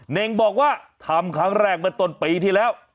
เน่งบอกว่าทำครั้งแรกเมื่อต้นปีที่แล้ว